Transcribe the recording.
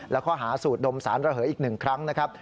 และข้อหาสูดดมสารระเหยอีก๑ครั้งนะครับ